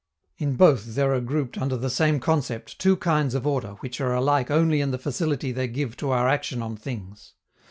In both there are grouped under the same concept two kinds of order which are alike only in the facility they give to our action on things.